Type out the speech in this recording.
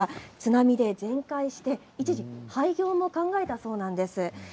東日本大震災の際には津波で全壊して一時、廃業も考えたそうなんです。